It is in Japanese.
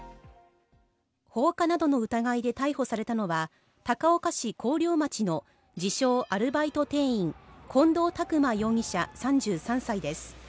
放火などの疑いで逮捕されたのは高岡市高陵町の自称・アルバイト店員、近藤拓馬容疑者、３３歳です。